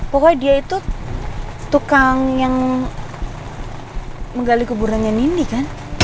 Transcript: pokoknya dia itu tukang yang menggali keburannya nindi kan